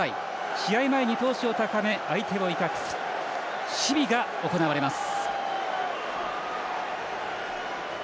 試合前に闘志を高め相手を威嚇するシビが行われます。